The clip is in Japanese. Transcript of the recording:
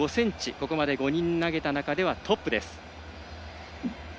ここまで５人投げた中ではトップ。